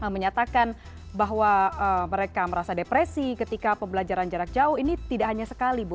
menyatakan bahwa mereka merasa depresi ketika pembelajaran jarak jauh ini tidak hanya sekali bu